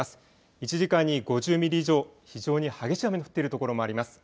１時間に５０ミリ以上、非常に激しい雨の降っているところもあります。